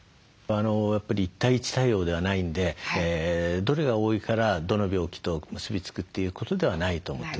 やっぱり１対１対応ではないんでどれが多いからどの病気と結び付くということではないと思ってください。